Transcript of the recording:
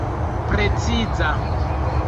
preciza